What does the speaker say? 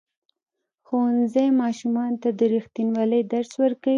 ښوونځی ماشومانو ته د ریښتینولۍ درس ورکوي.